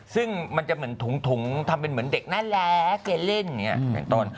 ซึ่งมันจะเหมือนถุงทำเป็นเหมือนเด็กนั่นแหละเกเล่นอย่างนี้เป็นต้น